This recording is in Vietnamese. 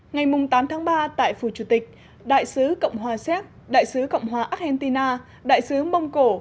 ngày tám tháng ba tại phủ chủ tịch đại sứ cộng hòa xéc đại sứ cộng hòa argentina đại sứ mông cổ